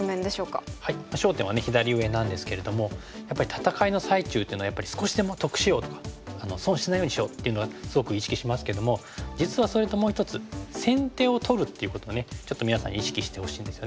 戦いの最中っていうのはやっぱり少しでも得しようとか損しないようにしようっていうのはすごく意識しますけども実はそれともう一つ先手を取るっていうこともちょっと皆さんに意識してほしいんですよね。